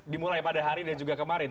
dimulai pada hari dan juga kemarin